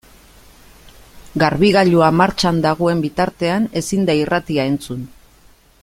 Garbigailua martxan dagoen bitartean ezin da irratia entzun.